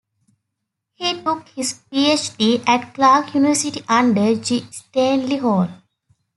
He took his Ph.D. at Clark University under G. Stanley Hall.